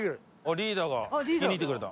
リーダーが聞きにいってくれた。